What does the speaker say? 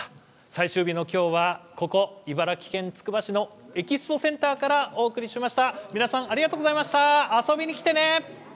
最終日のきょうはここ茨城県つくば市のエキスポセンターからお届けしました。